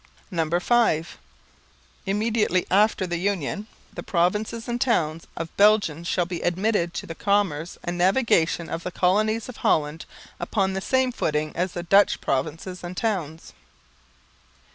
_ (5) _Immediately after the union the provinces and towns of Belgium shall be admitted to the commerce and navigation of the colonies of Holland upon the same footing as the Dutch provinces and towns.